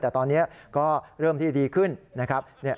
แต่ตอนนี้ก็เริ่มที่ดีขึ้นนะครับ